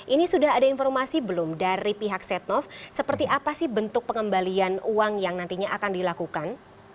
ini sudah ada informasi belum dari pihak setnov seperti apa sih bentuk pengembalian uang yang nantinya akan dilakukan